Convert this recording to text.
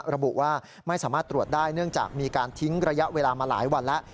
ระบุว่าไม่สามารถตรวจได้เนื่องจากมีการทิ้งระยะเวลามาหลายวันแล้ว